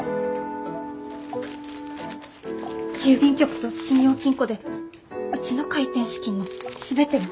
郵便局と信用金庫でうちの開店資金の全てを。